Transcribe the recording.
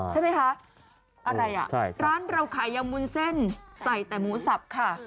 ใช่ไหมคะร้านเราขายยามูนเส้นใส่แต่หมูสับค่ะ